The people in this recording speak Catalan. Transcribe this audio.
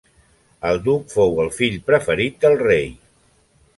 El duc fou el fill preferit del rei.